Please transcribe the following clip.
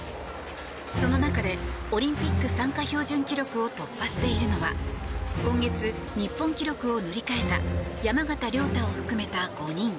その中でオリンピック参加標準記録を突破しているのは今月、日本記録を塗り替えた山縣亮太を含めた５人。